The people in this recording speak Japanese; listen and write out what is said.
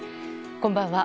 こんばんは。